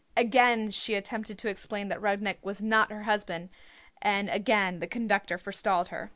Again she attempted to explain that Rudnik was not her husband, and again the conductor forestalled her.